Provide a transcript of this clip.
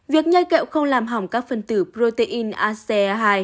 việc nhai kẹo không làm hỏng các phần tử protein ace hai